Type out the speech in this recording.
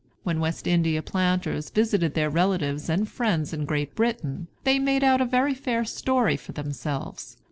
When West India planters visited their relatives and friends in Great Britain, they made out a very fair story for themselves.